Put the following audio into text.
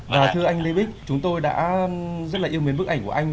và thưa anh lê bích chúng tôi đã rất là yêu mến bức ảnh của anh